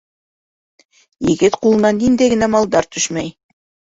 Егет ҡулына ниндәй генә малдар төшмәй!